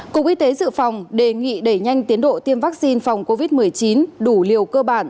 cục y tế dự phòng đề nghị đẩy nhanh tiến độ tiêm vaccine phòng covid một mươi chín đủ liều cơ bản